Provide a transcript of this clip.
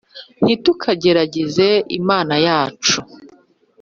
Ntitukagerageze imana yacu